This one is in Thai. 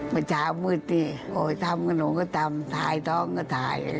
เมื่อเช้ามืดสิโอ้ยทำขนมก็ทำถ่ายท้องก็ถ่าย